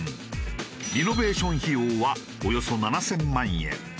リノベーション費用はおよそ７０００万円。